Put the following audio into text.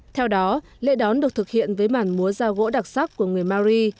theo đó lễ đón được thực hiện với màn múa dao gỗ đặc sắc của người maori